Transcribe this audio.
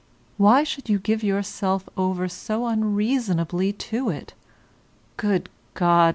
Why should you give yourself over so unreasonably to it? Good God!